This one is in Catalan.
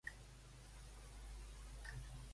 On es va estrenar a la capital francesa?